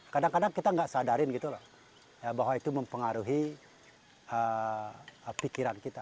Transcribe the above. kadang kadang kita nggak sadarin gitu loh bahwa itu mempengaruhi pikiran kita